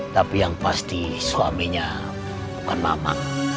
tapi yang pasti suaminya bukan mama